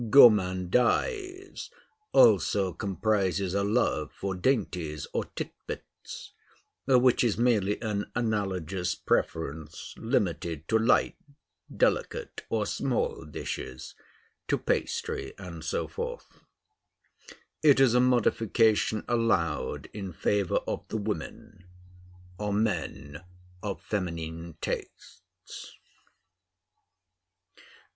Gourmandise also comprises a love for dainties or tit bits; which is merely an analogous preference, limited to light, delicate, or small dishes, to pastry, and so forth. It is a modification allowed in favor of the women, or men of feminine tastes.